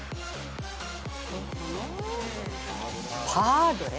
パードレ？